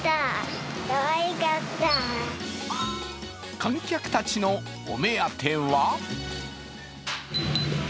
観客たちのお目当ては？